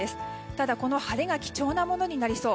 ただ、この晴れが貴重なものになりそう。